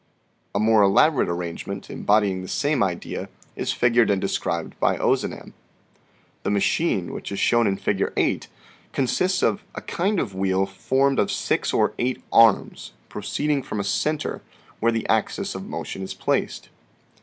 A more elaborate arrangement embodying the same idea is figured and described by Ozanam. The machine, which is shown in Fig. 8, consists of " a kind of wheel formed of six or eight arms, proceeding from a center where the axis of motion is placed.